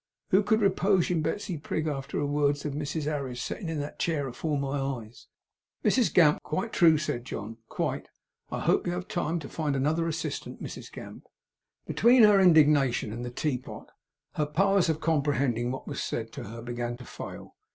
Who could repoge in Betsey Prig, arter her words of Mrs Harris, setting in that chair afore my eyes!' 'Quite true,' said John; 'quite. I hope you have time to find another assistant, Mrs Gamp?' Between her indignation and the teapot, her powers of comprehending what was said to her began to fail.